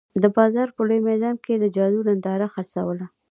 د بازار په لوی میدان کې یې د جادو ننداره خرڅوله.